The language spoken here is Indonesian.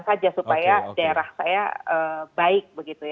kita hanya supaya daerah saya baik